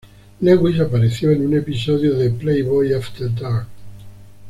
Lewis apareció en un episodio de "Playboy After Dark".